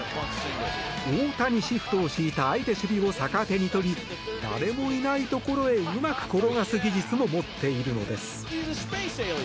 大谷シフトを敷いた相手守備を逆手にとり誰もいないところへうまく転がす技術も持っているのです。